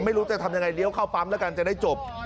ไม่รู้จะทำยังไงเลี้ยวเข้าปั๊มแล้วกันจะได้จบ